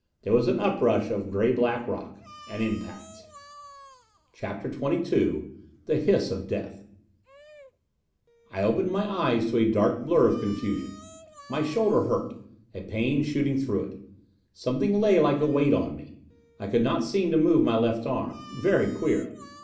There was an up rush of gray black rock. An impact.... CHAPTER XXII The Hiss of Death I opened my eyes to a dark blur of confusion. My shoulder hurt a pain shooting through it. Something lay like a weight on me. I could not seem to move my left arm. Very queer!